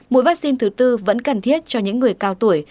mũi vaccine thứ tư vẫn cần thiết cho những người cao tuổi